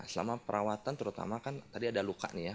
selama perawatan terutama kan tadi ada luka nih ya